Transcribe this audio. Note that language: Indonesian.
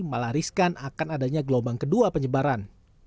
malah riskan akan adanya gelombang kedua penyebaran